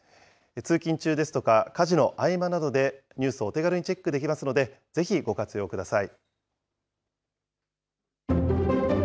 通勤中ですとか、家事の合間などで、ニュースをお手軽にチェックできますので、ぜひご活用ください。